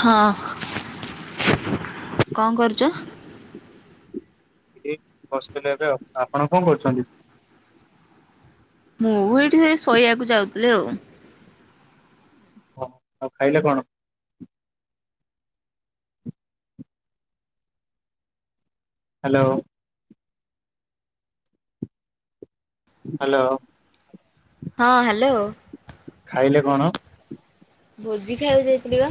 ହଁ କଣ କରୁଚ? ଏଇ ବସିଥିଲି ଏବେ ଆଉ। ଆପଣ କଣ କରୁଛନ୍ତି? ମୁଁ ଏଇଠି ସେଇ ଶୋଇବାକୁ ଯାଉଥିଲି ଆଉ। ଓ ଆଉ ଖାଇଲେ କଣ? ହ୍ୟାଲୋ। ହ୍ୟାଲୋ। ହଁ ହ୍ୟାଲୋ। ଖାଇଲେ କଣ? ଭୋଜି ଖାଇବାକୁ ଯାଇଥିଲି ବା,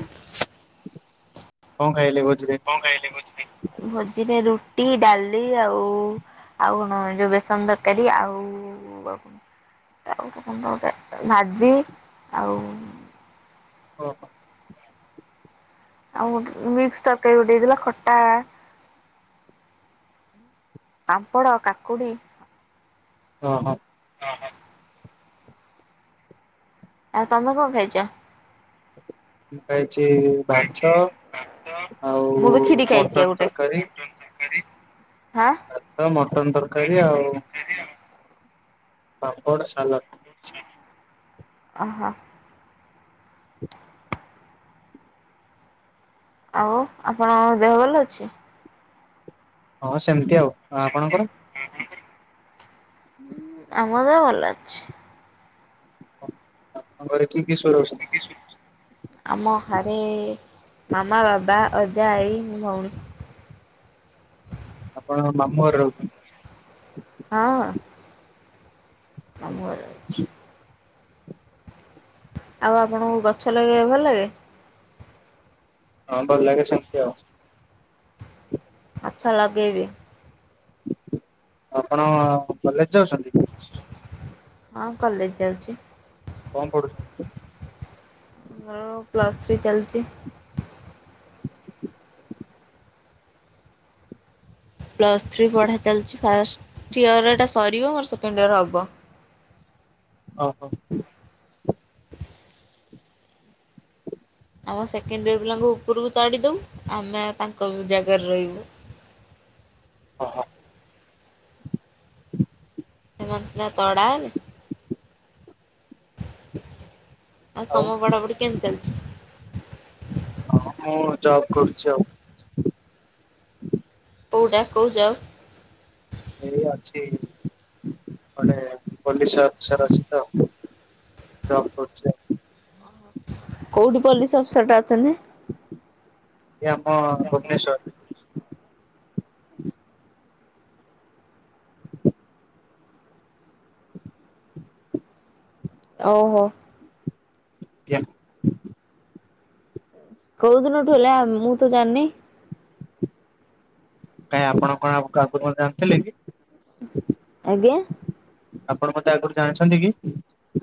କଣ ଖାଇଲେ ଭୋଜିରେ? କଣ ଖାଇଲେ ଭୋଜିରେ? ଭୋଜିରେ ରୁଟି, ଡାଲି, ଆଉ ଆଉ କଣ ଯୋଉ ବେସନ ତରକାରୀ, ଆଉ, ଆଉ କଣ [unintelligible] ଭାଜି ଆଉ, ଓହୋ, ଆଉ ଗୋଟେ ମିକ୍ସ ତରକାରୀ ଗୋଟେ ହେଇଥିଲା ଖଟା, ପାମ୍ପଡ, କାକୁଡି ଓହ। ଆଉ ତମେ କଣ ଖାଇଛ? ମୁଁ ଖାଇଛି ଭାତ ଆଉ ମଟନ ତରକାରୀ। ତରକାରୀ। ହାଁ, ଭାତ, ମଟନ ତରକାରୀ ଆଉ ପାର୍ମ୍ପଡ୍, ସାଲାଡ଼। ଆଚ୍ଛା, ଓହୋ। ଆଉ ଆପଣଙ୍କ ଦେହ ଭଲ ଅଛି? ହଁ ସେମିତି ଆଉ। ହଁ ସେମିତି ଆପଣଙ୍କର? ଆଉ। ଆପଣଙ୍କ ଦେହ? ହଁ ଆମର ଦେହ ଭଲ ଅଛି। ତମ ଘର କିଏ, କିଏ ସବୁ ରହୁଛନ୍ତି? ଆମ ଘରେ ମାମା, ବାବା, ଅଜା, ଆଈ, ଭଉଣୀ, ଆପଣ ମାମୁଁ ଘରେ ରହୁଛନ୍ତି? ହଁ। ମାମୁଁଘରେ ଅଛି। ଆଉ ଆପଣଙ୍କୁ ଗଛ ଲଗେଇବା ଭଲ ଲାଗେ? ହଁ ଭଲ ଲାଗେ ସେମିତି ଆଉ, ଆସ ଲଗେଇବେ? ଆପଣ କଲେଜ ଯାଉଛନ୍ତି? ହଁ କଲେଜ ଯାଉଛି। କଣ ପଢୁଚ? ମୋର ପ୍ଲସ୍ ଥ୍ରୀ ଚାଲିଛି। ପ୍ଲସ୍ ଥ୍ରୀ ପଢ଼ା ଚାଲିଛି, ଫାଷ୍ଟ ଇୟରଟା ସରିବ ମୋର ସେକେଣ୍ଡ ଇୟର ହେବ। ଓହୋ। ଆମ ସେକେଣ୍ଡ ଇୟର ପିଲାଙ୍କୁ ଉପରକୁ ତାଡ଼ି ଦେବୁ, ଆମେ ତାଙ୍କ ଜାଗାରେ ରହିବୁ। ଓହୋ। ହ ସେମାନେ ସିନା ତଡ଼ା ହେବେ ଆଉ ଆଉ ତମ ପଢାପଢି କେମିତି ଚାଲିଛି? ହଁ ମୁଁ ଜବ୍ କରୁଛି ଆଉ। କୋଉଟା କୋଉ ଜବ? ଏଇ ଅଛି ଗୋଟେ ପୋଲିସ ଅଫିସର ଅଛି ତ? ଜବ୍ କରଚି ଆଉ। କୋଉଠି ପୋଲିସ୍ ଅଫିସରଟା ଅଛନ୍ତି? ଏ ଆମ ଭୁବନେଶ୍ଵରରେ। ଓହୋ। ଆଜ୍ଞା। କୋଉ ଦିନଠୁ ହେଲା ମୁଁ ତ ଜାଣିନି। କାଇଁ ଆପଣ କଣ ଆଉ କାହା ପୂର୍ବରୁ ଜାଣିଥିଲେ କି? ଆଜ୍ଞା? ଆପଣ ମତେ ଆଗୁରୁ ଜାଣିଛନ୍ତି କି?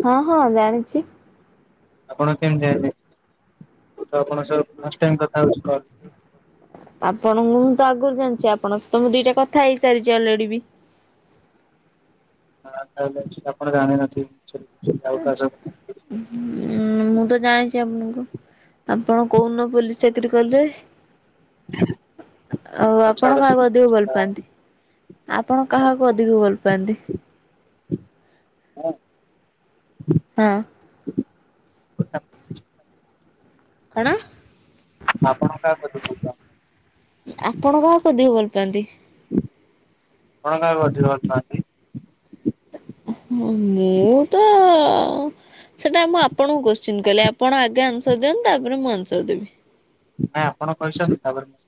ହଁ ହଁ ଜାଣିଚି। ଆପଣ କେମତି ଜାଇଁଲେ? ମୁଁ ତ ଆପଣଙ୍କ ସହ ଫାଷ୍ଟ ଟାଇମ୍ କଥା ହଉଚି କଲ୍ ଆପଣଙ୍କୁ ମୁଁ ତ ଆଗରୁ ଜାଣିଚି ଆପଣଙ୍କ ସହିତ ମୁଁ ଦିଟା କଥା ହେଇସାରିଚି ଅଲରେଡି ବି। [inaudible] ଉ-ଉଁ ମୁଁ ତ ଜାଣିଚି ଆପଣଙ୍କୁ। ଆପଣ କୋଉଦିନ ପୋଲିସ ଚାକିର କଲେ? ଆଉ ହଉ ଛାଡ ଆପଣ ସେ କାହାକୁ ଅଧିକ ଭଲ ପାଆନ୍ତି? ଆପଣ କାହାକୁ ଅଧିକ ଭଲ୍ ପାଆନ୍ତି? ହଁ। କଣ? ଆପଣ କାହାକୁ ଅଧିକ ଭଲପାଆନ୍ତି? ଆପଣ କାହାକୁ ଅଧିକ ଭଲ ପାଆନ୍ତି? ଆପଣ କାହାକୁ ଅଧିକ ଭଲ୍ ପାଆନ୍ତି? ମୁଁ ତ ସେଟା ମୁଁ ଆପଣଙ୍କୁ କୋଶ୍ଚିନ୍ କଲି ଆପଣ ଆଗେ ଆନ୍ସର ଦିଅନ୍ତୁ ତାପରେ ମୁଁ ଆନ୍ସର ଦେବି। ନାଇଁ ଆପଣ କହି ସାରନ୍ତୁ ତାପରେ ମୁଁ।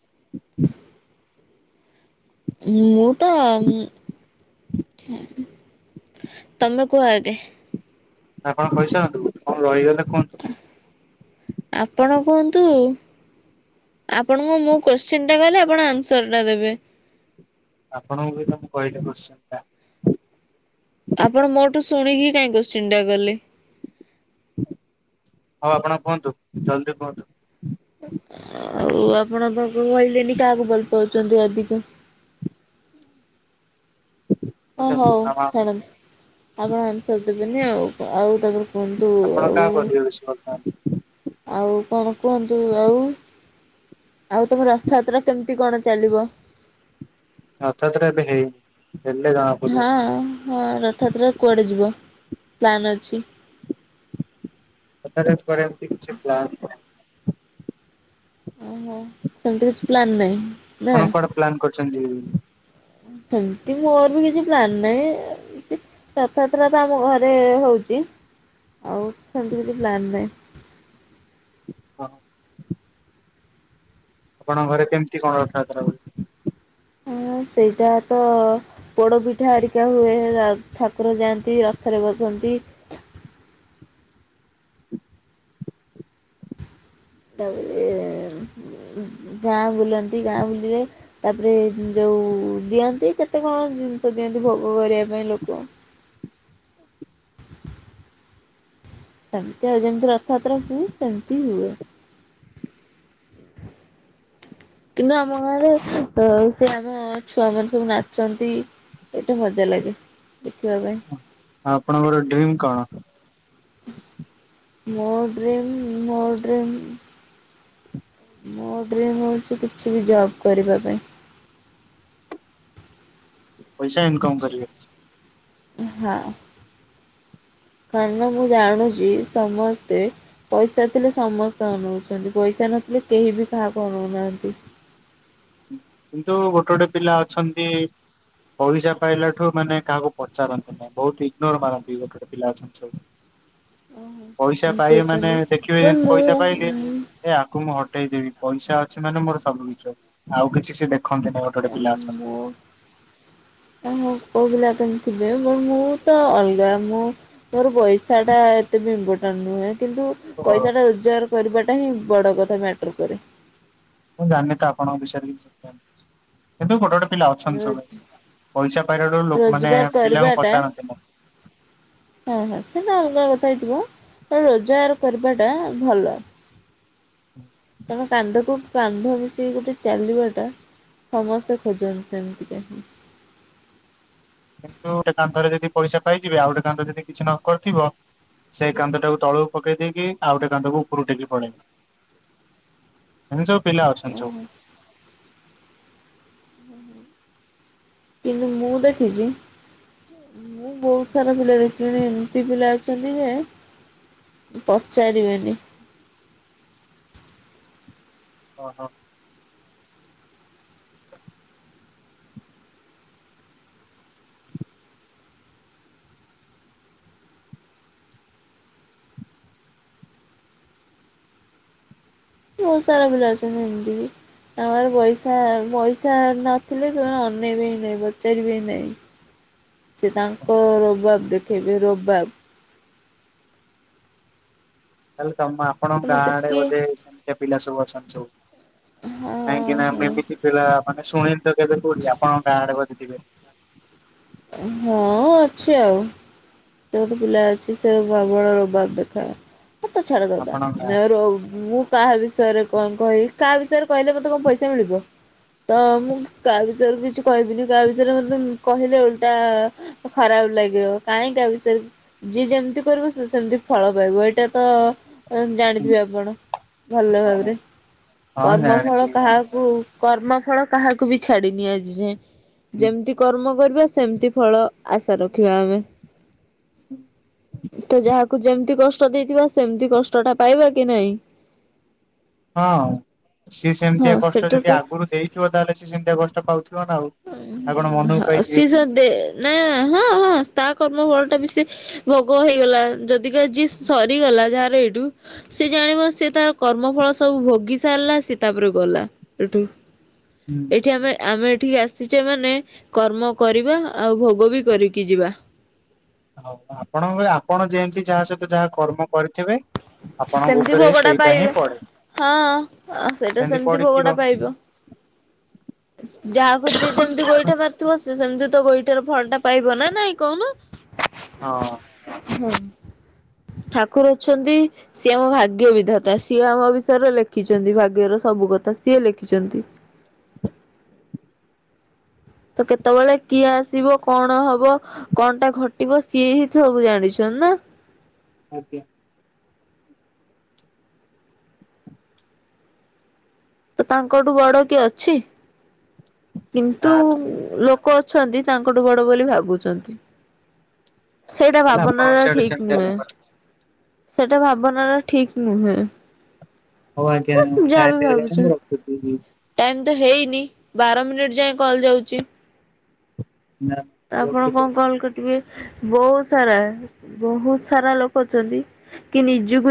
ମୁଁ ତ ଉଁ ତମେ କୁହ ଆଗ? ନାଁ ଆପଣ କଣ କହିସାରନ୍ତୁ କଣ ରହିଗଲେ କୁହନ୍ତୁ। ଆପଣ କୁହନ୍ତୁ? ଆପଣଙ୍କୁ ମୁଁ କୋଶ୍ଚିନ୍ ଟା କଲି ଆପଣ ଆନ୍ସର ଟା ଦେବେ। ଆପଣଙ୍କୁବିତ ମୁଁ କହିଲେ କୋସ୍ଚିନ୍ ଟା। ଆପଣ ମୋ ଠୁ ଶୁଣିକି କାଇଁ କୋସ୍ଚିନ୍ ଟା କଲେ? ହଉ ଆପଣ କୁହନ୍ତୁ ଜଲଦି କୁହନ୍ତୁ। ଆଉ ଆପଣ ତା କହିଲେନି କାହାକୁ ଭଲ ପାଉଚନ୍ତି ଅଧିକ? ମୁଁ ହଁ ସେମିତି ହଉ ମାମା ଛାଡନ୍ତୁ ଆପଣ ଆନ୍ସର ଦେବେନି ଆଉ କଁ ଆଉ ତାପରେ କୁହନ୍ତୁ ଆପଣ ଆଉ। କାହା କରିବେ [inaudible] ଆଉ କଣ କୁହନ୍ତୁ ଆଉ, ଆଉ ତମ ରଥଯାତ୍ରା କେମିତ୍ ଚି କଣ ଚାଲିବ? ରଥଯାତ୍ରା ଏବେ ହେଇନି। ହେଲେ ଜଣା ପଡିବ। ହଁ ହଁ ରଥଯାତ୍ରାରେ କୁଆଡେ ଯିବ ପ୍ଲାନ୍ ଅଛି? ରଥଯାତ୍ରାରେ କୁଆଡେ ଏମତି କିଛି ପ୍ଲାନ୍ ନାଇଁ। ଓହୋ ସେମିତି କିଛି ପ୍ଲାନ ନାଇଁ। ଆପଣ କୁଆଡେ ପ୍ଲାନ କରିୁଛନ୍ତି ଯିବେ ବୋଲି। ସେମତି ମୋର ‌ବି କିଛି ପ୍ଲାନ ନାହିଁ ‌। ରଥଯାତ୍ରା ତ ଆମ ଘରେ ହଉଛି ଆଉ ସେମିତି କିଛି ପ୍ଲାନ୍ ନାହିଁ। ହଁ। ଆପଣଙ୍କ ଘରେ କେମିତି କଣ ରଥଯାତ୍ରା ହୁଉଛି। ହଁ ସେଇଟା ତ। ପୋଡ଼ପିଠା ହରିକା ହୁଏ ଠାକୁର ଯାଆନ୍ତି ରଥରେ ବସନ୍ତି। ତାପରେ ଗାଁ ବୁଲନ୍ତି ଗାଁ ବୁଲିବେ। ତାପରେ ଯୋଉ ଦିଅନ୍ତି କେତେ କଣ ଜିନିଷ ଦିଅନ୍ତି ଭୋଗ କରିବା ପାଇଁ ଲୋକ। ସେମିତି ଆଉ ଯେମିତି ରଥଯାତ୍ରା ହୁଏ ସେମିତି ହୁଏ। କିନ୍ତୁ ଆମ ଗାଁରେ ଅ ସେ ଆମ ଛୁଆ ମାନ ସବୁ ନାଚନ୍ତି। ସେଇଟା ମଜା ଲାଗେ ଦେଖିବା ପାଇଁ। ଆଉ ଆପଣଙ୍କର ଡ୍ରିମ୍ କଣ। ମୋ ଡ଼୍ରିମ୍ ମୋ ଡ୍ରିମ୍। ମୋ ଡ୍ରିମ୍ ହଉଛି କିଛି ବି ଜବ୍ କରିବା ପାଇଁ। ପଇସା ଇନକମ୍ କରିବେ। ହଁ କାରଣ ମୁଁ ଜାଣୁଛି ସମସ୍ତେ। ପଇସା ଥିଲେ ସମସ୍ତେ ଅନଉଛନ୍ତି ପଇସା ନଥିଲେ କେହି ବି କାହାକୁ ଅନଉନାହାଁନ୍ତି। କିନ୍ତୁ ଗୋଟେ ଗୋଟେ ପିଲା ଅଛନ୍ତି ପଇସା ପାଇଲା ଠୁ ମାନେ କାହାକୁ ପଚାରନ୍ତିନି। ବହୁତ ଇଗ୍ନୋର ମାରନ୍ତି ଗୋଟେ ପିଲା ଅଛନ୍ତି ସବୁ। ପଇସା ଏମିତି ପାଇ ମାନେ ଅଛନ୍ତି ଦେଖିବେ ବଟ ଯେମିତି ପଇସା ମୁଁ ପାଇଲେ। ଏ ଆକୁ ମୁଁ ହଟେଇ ଦେବି ପଇସା ଅଛି ମାନେ ମୋର ସବୁ କିଛି ଆଉ କିଛି ସେ ଦେଖନ୍ତି ନି। ଉଁ ମୋ। ତ ମୁଁ କୋଉ ପିଲା କଣ ଥିବେ ମୁଁ ମୁ ତ ଅଲଗା ମୁଁ। ମୋର ପଇସା ଟା ଏତେ ବି ଇମ୍ପୋର୍ଟାଣ୍ଟ ନୁହେଁ କିନ୍ତୁ। ତ ପଇସା ଟା ରୋଜଗାର କରିବାଟା ହିଁ ବଡ କଥା ମ୍ୟାଟର କରେ। ମୁଁ ଜାଣିନି ତ ଆପଣଙ୍କ ବିଷୟରେ କିଛି। କିନ୍ତୁ ଗୋଟେ ଗୋଟେ ପିଲା ଅଛନ୍ତି ସବୁ ପଇସା ପାଇଲାଠୁ ଲୋକ ମାନେ ରୋଜଗାର ପିଲାଙ୍କୁ କରିବାଟା ପଚାରନ୍ତି ନି। [inaudible] ହଁ ହଁ ସେଇଟା ଅଲଗା କଥା ହେଇଥିବ ତ ରୋଜଗାର କରିବାଟା ଭଲ। ହୁଁ। କାରଣ କାନ୍ଧକୁ କାନ୍ଧ ମିଶେଇକି ଗୋଟେ ଚାଲିବାଟା। ସମସ୍ତେ ଖୋଜନ୍ତି ସେମିତିକା ହିଁ। କିନ୍ତୁ ଗୋଟେ କାନ୍ଧରେ ଯଦି ପଇସା ପାଇଯିବେ ଆଉ ଗୋଟେ କାନ୍ଧ ଯଦି କିଛି ନ କରିଥିବ। ସେଇ କାନ୍ଧଟାକୁ ତଳକୁ ପକେଇ ଦେଇକି ଆଉଟା କାନ୍ଧ କୁ ଉପରୁ ଟେକି କି ପଳେଇବେ। ଏମିତି ସବୁ ପିଲା ଅଛନ୍ତି ସବୁ। ଓହୋ କିନ୍ତୁ ମୁଁ ଦେଖିଛି। ମୁଁ ବହୁତ ସାରା ପିଲା ଦେଖିଲିଣୀ ଏମିତି ପିଲା ଅଛନ୍ତି ଯେ। ପଚାରିବେନି। ଓ ହ। [inaudible] ବହୁତ ସାରା ପିଲା ଅଛନ୍ତି ଏମିତିକି। ତାଙ୍କ ପାଖରେ ପଇସା ପଇସା ନଥିଲେ ସେମାନେ ଅନେଇ ବେ ହିଁ ନାଇଁ ପଚାରିବେ ନାହିଁ। ସେ ତାଙ୍କ ରୋବାବ ଦେଖେଇବେ ରୋବାବ। ତାହଲେ ତମ ଆପଣଙ୍କ ମତେ ଗାଁରେ କିଏ ବୋଧେ ସେମିତି ପିଲା ସବୁ ଅଛନ୍ତି ସବୁ? ହଁ କାହିଁକିନା ହଁ ମୁ ଏମିତି ପିଲା ମାନେ ଶୁଣିନି ତ କେବେ କୋଉଠି, ଆପଣଙ୍କ ଗାଁରେ ବୋଧେ ଥିବେ। ହଁ ଅଛି ଆଉ। ସେ ଗୋଟେ ପିଲା ଅଛି, ସେ ପ୍ରବଳ ରୋବାବ ଦେଖାଏ। [unintelligible] କାହା ଆପଣଙ୍କ ଗାଁ ବିଷୟରେ କଣ କହିବି, କାହା ବିଷୟରେ କହିଲେ ମତେ କଣ ପଇସା ମିଳିବ? ତ ମୁଁ କାହା ବିଷୟରେ କିଛି କହିବିନି, କାହା ବିଷୟରେ ମତେ କହିଲେ ଓଲଟା ଖରାପ ଲାଗିବ, କାହିଁକି କାହା ବି ସେ, ଯିଏ ଯେମିତି କରିବ ସେ ସେମତି ଫଳ ପାଇବ, ଏଇଟା ତ ଜାଣିଥିବେ ହୁଁ, ଆପଣ, ଭଲ ହଁ ଭାବରେ, ହଁ କର୍ମଫଳ ଜାଣିଛି କାହା କର୍ମ ଫଳ କାହାକୁ ବି ଛାଡିିନି ଆଜି ଯାଏ, ଯେମିତି କର୍ମ କରିବା, ସେମିତି ଫଳ ଆଶା ରଖିବା ଆମେ। [unintelligible] ତ ଯାହାକୁ ଯେମିତି କଷ୍ଟ ଦେଇଥିବା, ସେମିତି କଷ୍ଟ ଟା ପାଇବା କି ନାଇଁ? ହଁ, ସିଏ ସେମିତିଆ ହଁ କଷ୍ଟ ସେଟା ଯଦି ତ ଆଗରୁ ଦେଇଥିବ, ତାହେଲେ ସି ସେମିତିଆ କଷ୍ଟ ପାଉଥିବ ନା ଆଉ। ହୁଁ ଆଉ କଣ ହୁଁ ମନ ହା, ପାଇଯିବେ ସିଏ କି? ସେ ଦେ ନାଇଁ ହଁ ହଁ, ତା କର୍ମ ଫଳ ଟା ବି ସେ ଭୋଗ ହେଇଗଲା, ଯଦିି କା ଜିସ୍ ସରିଗଲା ଯାହାର ଏଇଠୁ ସେ ଜାଣିବ ସେ ତାର କର୍ମ ଫଳ ସବୁ ଭୋଗି ସାରିଲା, ସେ ତାପରେ ଗଲା। ଏଟୁ ହୁଁ ଏଠି ଆମେ, ଆମେ ଏଠିକି ଆସିଛେ ମାନେ, କର୍ମ କରିବା, ଆଉ ଭୋଗ ବି କରିକି ଯିବା। ହଉ ଆପଣ, ଆପଣ ଯେମତି ଯାହା ସହିତ ଯାହା କର୍ମ କରିଥିବେ ଆପଣଙ୍କ ସେମିତି ଉପରେ ବି ଭୋଗଟା ସେଇଟା ହିଁ ପାଇବେ। ପଡେ। ହଁ, ସେଇଟା ସେମିତି ଭୋଗଟା ପାଇବ। ଯାହାକୁ ଯିଏ ଯେମିତି ଗୋଇଠା ମାରିଥିବ, ସେ ସେମିତି ତ ଗୋଇଠାର ଫଳ ଟା ପାଇବ ନା ନାଇଁ, କହୁନୁ? [unintelligible] ହଁ ଅଁ [unintelligible] ଠାକୁର ଅଛନ୍ତି ସିଏ ଆମ ଭାଗ୍ୟ ବିିଧତା, ସିଏ ଆମ ବିଷୟରେ ଲେଖିଛନ୍ତି, ଭାଗ୍ୟର ସବୁ କଥା ସିଏ ଲେଖିଛନ୍ତି। ତ କେତେବେଳେ କିଏ ଆସିବ, କଣ ହବ? କଣ ଟା ଘଟିବ, ସିଏ ହି ସବୁ ଜାଣିଛନ୍ତି ନା? ଆଜ୍ଞା। ତ ତାଙ୍କଠୁ ବଡ କିଏ ଅଛି? ନା କିନ୍ତୁ ଲୋ ଲୋକ ଅଛନ୍ତି, ତାଙ୍କଠୁ ବଡ ବୋଲି ଭାବୁଛନ୍ତି। ସେଇଟା ତାହେଲେ ଭାବନା ଆପଣଙ୍କ ନା ସିଆଡେ ଠିକ୍ ସେମିତିଆ ନୁହେଁ। ଲୋକ। ସେଟା ଭାବନା ଟା ଠିକ ନୁହେଁ। ହଉ ଆଜ୍ଞା, ଯାହା ବି ସାତେ ହେଇଗଲାଣି ଭାବୁଛନ୍ତି। ମୁଁ ରଖୁଚି [unintelligible] ଟାଇମ ତ ହେଇନି, ବାର ମିନିଟ୍ ଯାଏ କଲ୍ ଯାଉଚି। ନାଁ ତ ଆପଣ କଣ କଲ୍ କାଟିବେ? ବହୁତ ସାରା, ବହୁତ ସାରା ଲୋକ ଅଛନ୍ତି, କି ନିଜକୁ